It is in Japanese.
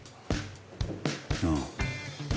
ああ。